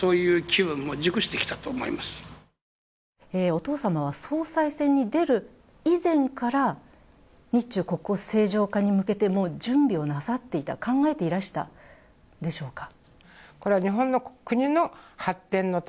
お父様は総裁選に出る以前から日中国交正常化に向けて準備をなさっていた、考えていらしたのでしょうか？